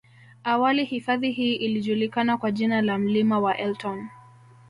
Awali hifadhi hii ilijulikana kwa jina la mlima wa elton